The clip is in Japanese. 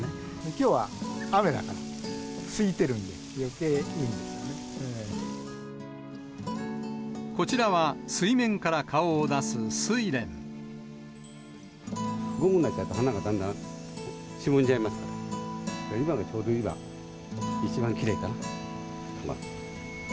きょうは雨だからすいてるんこちらは水面から顔を出すス午後になっちゃうと、花がだんだんしぼんじゃいますから、今がちょうどいい、一番きれいかな。